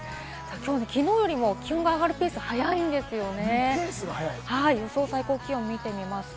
きのうよりも気温が上がるペース速いんですよね。